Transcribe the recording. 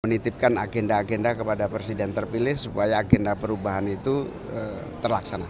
menitipkan agenda agenda kepada presiden terpilih supaya agenda perubahan itu terlaksana